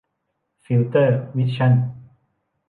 ฟิลเตอร์ วิชั่น